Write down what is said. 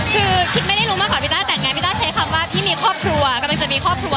คือคิดไม่ได้รู้เมื่อก่อนพี่ต้าแต่งงานิต้าใช้คำว่าพี่มีครอบครัวกำลังจะมีครอบครัว